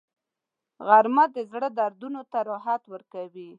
غرمه د زړه دردونو ته راحت ورکوي